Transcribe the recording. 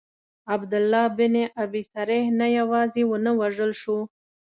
عبدالله بن ابی سرح نه یوازي ونه وژل سو.